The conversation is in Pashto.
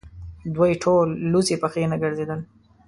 دوی ټول لڅې پښې نه ګرځېدل.